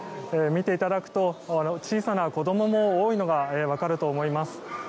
見ていただくと小さな子どもも多いのがわかると思います。